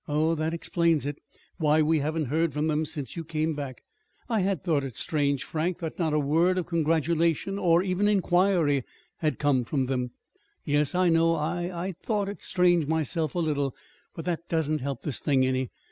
"Oh, that explains it why we haven't heard from them since you came back. I had thought it strange, Frank, that not a word of congratulation or even inquiry had come from them." "Yes, I know. I I'd thought it strange myself a little. But that doesn't help this thing any.